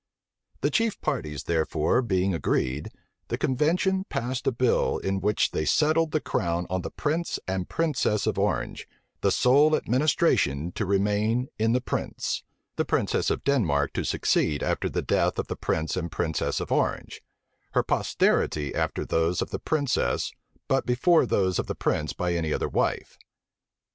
The chief parties, therefore, being agreed, the convention passed a bill, in which they settled the crown on the prince and princess of Orange, the sole administration to remain in the prince: the princess of Denmark to succeed after the death of the prince and princess of Orange; her posterity after those of the princess, but before those of the prince by any other wife.